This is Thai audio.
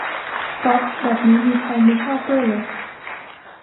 ป๊อปแบบนี้มีใครไม่ชอบด้วยเรอะ